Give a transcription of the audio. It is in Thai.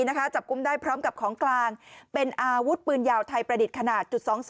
จับกุมได้พร้อมกับของกลางเป็นอาวุธปืนยาวไทยประดิษฐ์ขนาดจุด๒๒